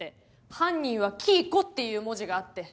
「犯人は黄以子」っていう文字があって。